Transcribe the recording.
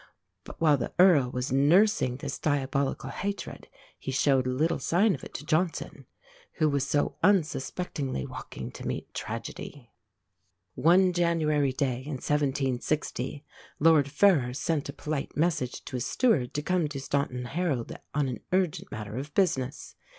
But while the Earl was nursing this diabolical hatred, he showed little sign of it to Johnson, who was so unsuspectingly walking to meet tragedy. One January day, in 1760, Lord Ferrers sent a polite message to his steward to come to Staunton Harold on an urgent matter of business.